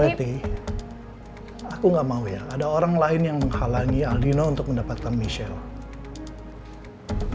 berarti aku gak mau ya ada orang lain yang menghalangi aldino untuk mendapatkan michelle